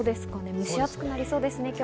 蒸し暑くなりそうですね。